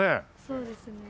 そうですね。